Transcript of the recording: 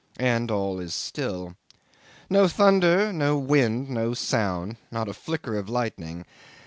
And all is still. No thunder, no wind, no sound; not a flicker of lightning.